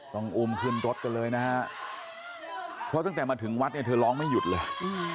ต้องอุ้มขึ้นรถกันเลยนะฮะเพราะตั้งแต่มาถึงวัดเนี่ยเธอร้องไม่หยุดเลย